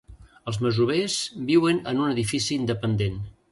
Els masovers viuen en un edifici independent.